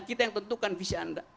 kita yang tentukan visi anda